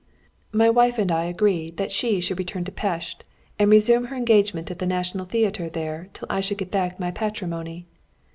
My wife and I agreed that she should return to Pest and resume her engagement at the National Theatre there till I should get back my patrimony.